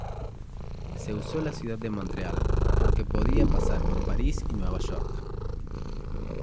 Se usó la ciudad de Montreal porque podía pasar por París y Nueva York